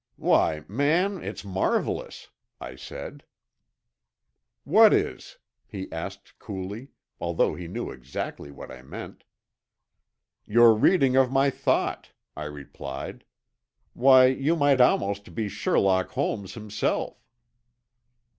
"Why, man, it's marvelous," I said. "What is?" he asked coolly, although he knew exactly what I meant. "Your reading of my thought," I replied. "Why you might almost be Sherlock Holmes himself."